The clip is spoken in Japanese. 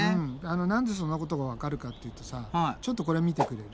何でそんなことがわかるかっていうとさちょっとこれ見てくれる。